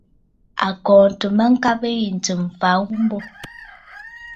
A kɔɔntə ŋgabə yǐ ntsɨ̀m m̀fa ghu mbô.